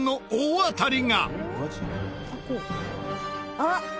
「あっ！